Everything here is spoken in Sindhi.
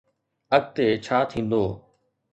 اڳتي ڇا ٿيندو؟